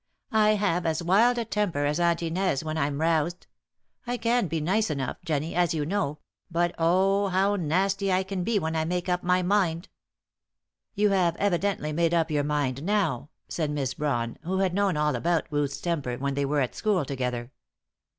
I have as wild a temper as Aunt Inez when I am roused. I can be nice enough, Jennie, as you know, but, oh, how nasty I can be when I make up my mind!" "You have evidently made up your mind now," said Miss Brawn, who had known all about Ruth's temper when they were at school together.